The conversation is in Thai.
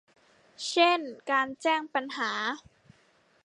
เช่นการแจ้งปัญหา